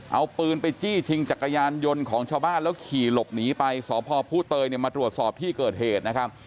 เอาปืนไปจี้ชิงจักรยานยนต์ของชาวบ้านแล้วขี่หลบหนีไปสพผู้เตยเนี่ยมาตรวจสอบที่เกิดเหตุนะครับ